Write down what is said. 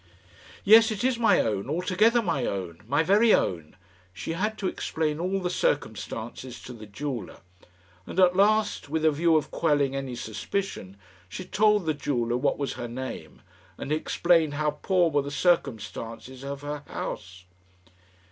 "Yes, it is my own, altogether my own my very own." She had to explain all the circumstances to the jeweller, and at last, with a view of quelling any suspicion, she told the jeweler what was her name, and explained how poor were the circumstances of her house.